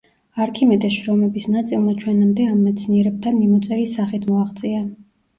არქიმედეს შრომების ნაწილმა ჩვენამდე ამ მეცნიერებთან მიმოწერის სახით მოაღწია.